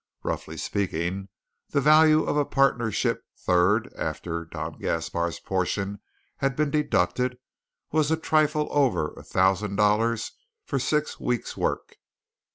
Roughly speaking, the value of a partnership third, after Don Gaspar's portion had been deducted, was a trifle over a thousand dollars for six weeks' work.